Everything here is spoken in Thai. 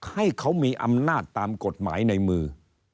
ให้เขามีอำนาจตามกฎหมายในมือ